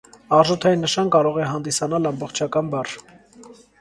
Արժութային նշան կարող է հանդիսանալ ամբողջական բառ։